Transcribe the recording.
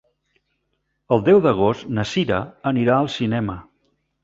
El deu d'agost na Sira anirà al cinema.